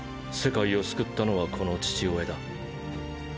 世界を救ったのはこの父親だ。